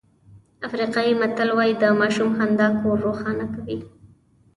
افریقایي متل وایي د ماشوم خندا کور روښانه کوي.